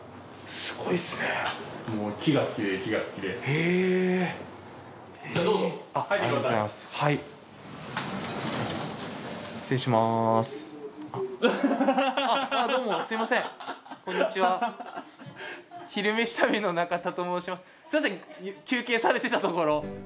すみません休憩されてたところ。